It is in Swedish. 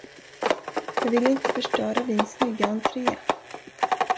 Jag ville inte förstöra din snygga entré.